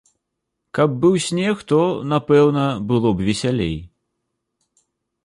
Каб быў снег, то, напэўна, было б весялей.